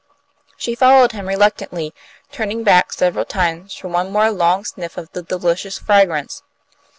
She followed him reluctantly, turning back several times for one more long sniff of the delicious fragrance.